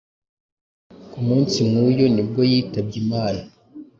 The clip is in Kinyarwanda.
ku munsi nk'uyu ni bwo yitabye Imana